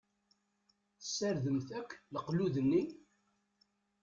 Tessardemt akk leqlud-nni?